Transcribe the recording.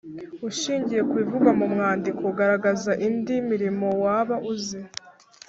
Ushingiye ku bivugwa mu mwandiko, garagaza indi mirimo waba uzi